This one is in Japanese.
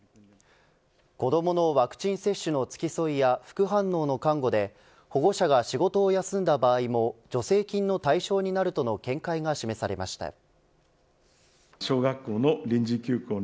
子どものワクチン接種の付き添いや副反応の看護で保護者が仕事を休んだ場合も助成金の対象になるとの見解が示されました。